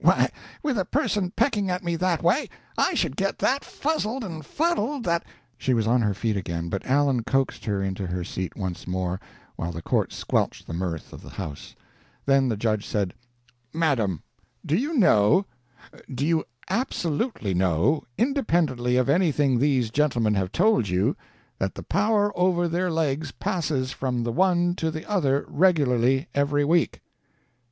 "Why, with a person pecking at me that way, I should get that fuzzled and fuddled that " She was on her feet again, but Allen coaxed her into her seat once more, while the court squelched the mirth of the house. Then the judge said: "Madam, do you know do you absolutely know, independently of anything these gentlemen have told you that the power over their legs passes from the one to the other regularly every week?"